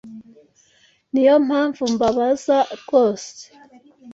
Niyo mpamvu mbabaza rwose.